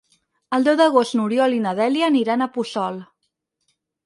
El deu d'agost n'Oriol i na Dèlia aniran a Puçol.